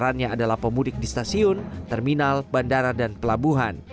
yang adalah pemudik di stasiun terminal bandara dan pelabuhan